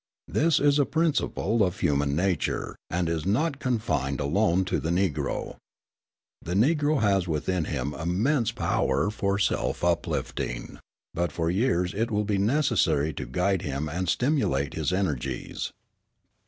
This is a principle of human nature, and is not confined alone to the Negro. The Negro has within him immense power for self uplifting, but for years it will be necessary to guide him and stimulate his energies.